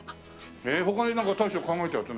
他になんか大将考えたやつ。